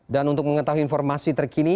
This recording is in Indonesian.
dan untuk mengetahui informasi terkini